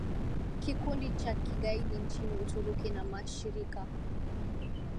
kikundi cha kigaidi nchini Uturuki na mashirika